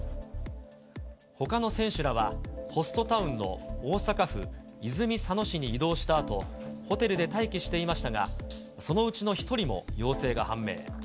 ほかの選手らは、ホストタウンの大阪府泉佐野市に移動したあと、ホテルで待機していましたが、そのうちの１人も陽性が判明。